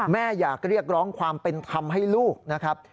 แม่อยากเรียกร้องความเป็นธรรมให้ลูกนะครับ